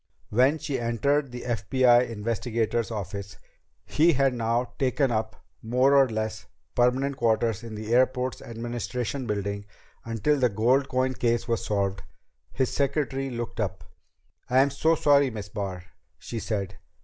When she entered the FBI investigator's office he had now taken up more or less permanent quarters in the airport's administration building until the gold coin case was solved his secretary looked up. "I'm so sorry, Miss Barr," she said.